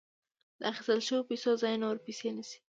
د اخیستل شویو پیسو ځای نورې پیسې نیسي